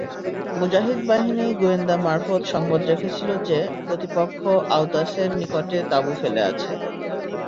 মুজাহিদ বাহিনী গোয়েন্দা মারফৎ সংবাদ রেখেছিল যে, প্রতিপক্ষ আওতাসের নিকটে তাঁবু ফেলে আছে।